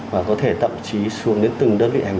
và có thể tậm chí xuống đến từng đơn vị hành chính